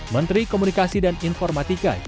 menteri komunikasi dan informatika